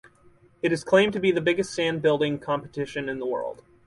It is claimed to be the biggest sand building competition in the world.